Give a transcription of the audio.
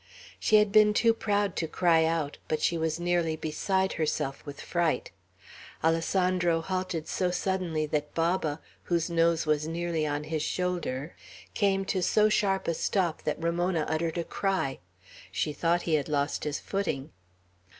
She had been too proud to cry out; but she was nearly beside herself with fright. Alessandro halted so suddenly that Baba, whose nose was nearly on his shoulder, came to so sharp a stop that Ramona uttered a cry. She thought he had lost his footing.